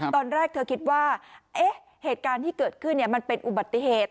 ตอนแรกเธอคิดว่าเหตุการณ์ที่เกิดขึ้นมันเป็นอุบัติเหตุ